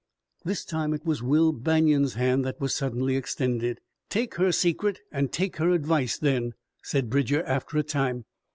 This time it was Will Banion's hand that was suddenly extended. "Take her secret an' take her advice then," said Bridger after a time.